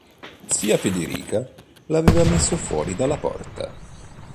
Zia Federica l'aveva messo fuori dalla porta.